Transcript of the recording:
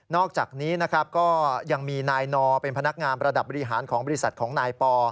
อกจากนี้นะครับก็ยังมีนายนอเป็นพนักงานระดับบริหารของบริษัทของนายปอ